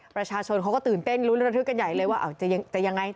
ประชาชนเขาก็ตื่นเต้นลุ้นระทึกกันใหญ่เลยว่าจะยังไง